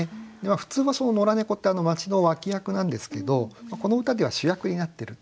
普通はその野良猫って町の脇役なんですけどこの歌では主役になってると。